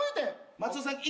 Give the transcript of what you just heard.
松尾さん息。